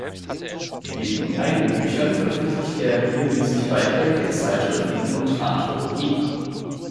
Neben eigenen Büchern veröffentlicht er regelmäßig Beiträge in Zeitschriften und Anthologien.